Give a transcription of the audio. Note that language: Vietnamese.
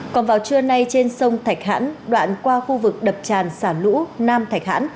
còn vào trưa nay trên sông thạch hãn đoạn qua khu vực đập tràn xả lũ nam thạch hãn